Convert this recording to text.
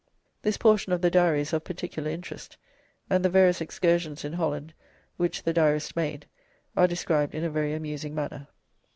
This portion of the Diary is of particular interest, and the various excursions in Holland which the Diarist made are described in a very amusing manner.